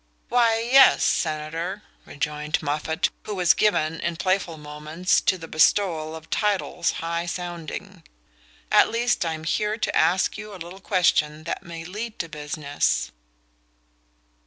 "Why, yes. Senator," rejoined Moffatt, who was given, in playful moments, to the bestowal of titles high sounding. "At least I'm here to ask you a little question that may lead to business."